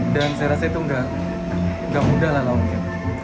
dan saya rasa itu gak mudah lah lauknya